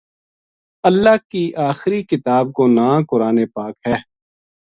اللہ کی آخری کتاب کو ناں قرآن پاک ہے۔